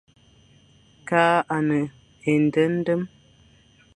Kale à ne éndendem,